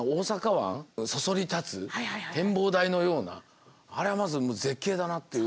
そそり立つ展望台のようなあれはまず絶景だなという。